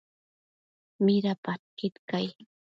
Midapadquid cai?